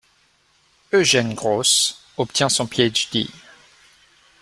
Eugene Gross obtient son Ph.D.